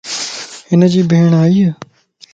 ھن جي ڀيڙائي؟